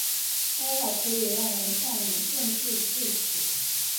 该药可能让人上瘾甚至致死。